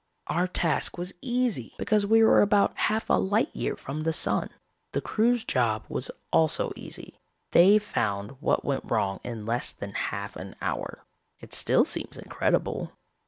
Our task was easy, because we were about half a light year from the sun. The crew's job was also easy: they found what went wrong in less than half an hour. "It still seems incredible.